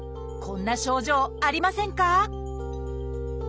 こんな症状ありませんか？